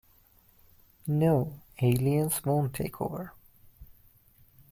No, Aliens won't take over.